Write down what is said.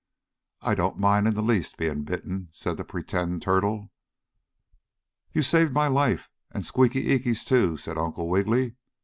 "I don't mind in the least being bitten," said the pretend turtle. "But you saved my life, and Squeaky Eeky's, too," said Uncle Wiggily.